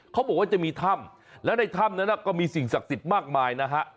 เขาบอกว่าจะมีถ้ำแล้วในถ้ำนั้นก็มีสิ่งศักดิ์สิทธิ์มากมายนะฮะ